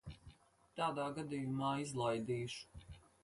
Tādā gadījumā izlaidīšu.